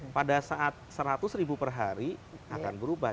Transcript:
pada saat seratus ribu per hari akan berubah